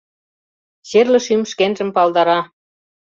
Черле шӱм шкенжым палдара.